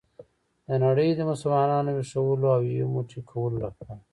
د نړۍ د مسلمانانو ویښولو او یو موټی کولو لپاره.